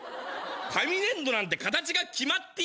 紙粘土なんて形が決まってぃ